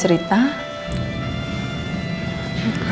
perkenalkan saya martina hilda